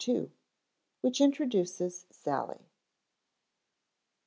_Which Introduces Sally.